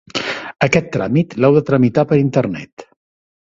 Aquest tràmit l'heu de tramitar per internet.